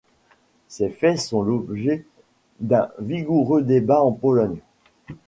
Ces faits font l'objet d'un vigoureux débat en Pologne.